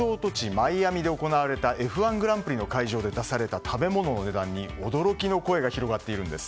マイアミで行われたＦ１グランプリの会場で出された食べ物の値段に驚きの声が広がっているんです。